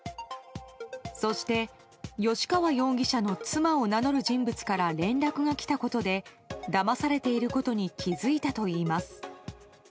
そして吉川容疑者の妻を名乗る人物から連絡が来たことでだまされていることに気付いたといいます。